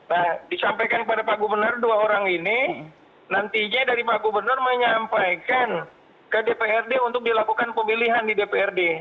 nah disampaikan kepada pak gubernur dua orang ini nantinya dari pak gubernur menyampaikan ke dprd untuk dilakukan pemilihan di dprd